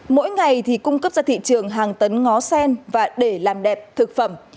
mỗi ngày thì cung cấp ra thị trường hàng tấn ngó sen và để làm đẹp thực phẩm